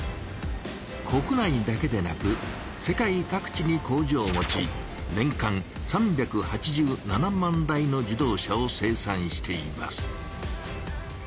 国内だけでなく世界各地に工場を持ち年間３８７万台の自動車を生産しています。